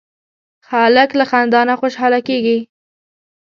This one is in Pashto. هلک له خندا نه خوشحاله کېږي.